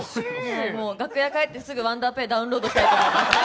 楽屋へ帰って、ワンダーペイ、すぐダウンロードしたいと思います。